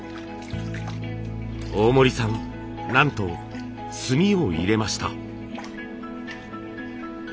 大森さんなんと墨を入れました。